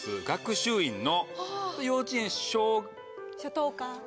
学習院の幼稚園小。